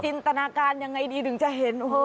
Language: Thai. จินตนาการยังไงดีถึงจะเห็น